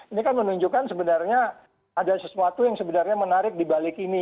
ini kan menunjukkan sebenarnya ada sesuatu yang sebenarnya menarik di balik ini